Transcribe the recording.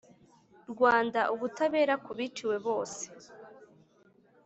rwanda: ubutabera ku biciwe bose